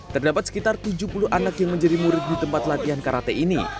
terdapat sekitar tujuh puluh anak yang menjadi murid di tempat latihan karate ini